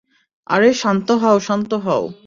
আরে, শান্ত হও, শান্ত হও!